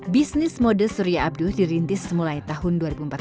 bisnis mode surya abduh dirintis mulai tahun dua ribu empat belas